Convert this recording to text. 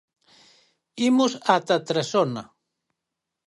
Imos ata Trasona.